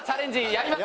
やります！